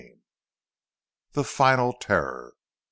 XXX. THE FINAL TERROR.